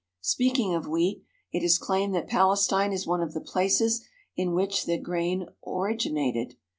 Speaking of wheat, it is claimed that Palestine is one of the places in which that grain originated.